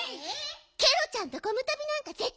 ケロちゃんとゴムとびなんかぜったいいや！